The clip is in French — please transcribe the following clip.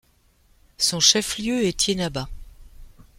Son chef-lieu est Thiénaba.